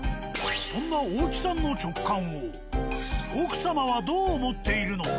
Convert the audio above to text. そんな大木さんの直感を奥様はどう思っているのか。